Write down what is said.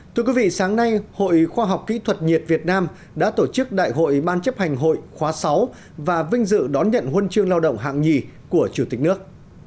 thưa quý vị sáng nay hội khoa học kỹ thuật nhiệt việt nam đã tổ chức đại hội ban chấp hành hội khóa sáu và vinh dự đón nhận huân chương lao động hạng nhì của chủ tịch nước